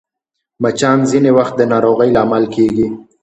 مچان ځینې وخت د ناروغۍ لامل کېږي